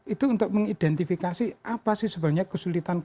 itu untuk mengidentifikasi apa sih sebenarnya kesulitan dpr ini